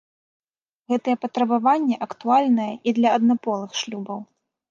Гэтае патрабаванне актуальнае і для аднаполых шлюбаў.